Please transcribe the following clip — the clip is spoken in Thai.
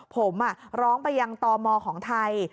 ผมร้องไปยังตมของไทย